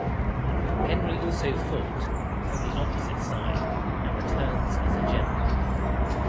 Henry also fought, on the opposite side, and returns as a general.